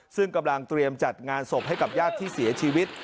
ซึ่งกำลังเตรียมจัดงานศพให้กับญาติที่เสียชีวิต